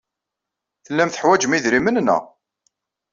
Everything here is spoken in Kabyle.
Tellam teḥwajem idrimen, naɣ?